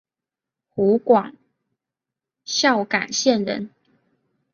湖广孝感县人。